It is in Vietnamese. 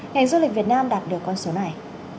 ngành du lịch việt nam đạt được con số này